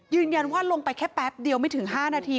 ลงไปแค่แป๊บเดียวไม่ถึง๕นาที